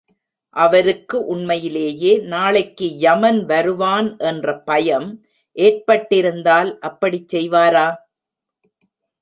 அவருக்கு உண்மையிலேயே நாளைக்கு யமன் வருவான் என்ற பயம் ஏற்பட்டிருந்தால் அப்படிச் செய்வாரா?